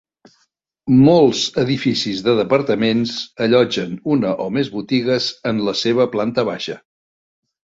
Molts edificis de departaments allotgen una o més botigues en la seva planta baixa.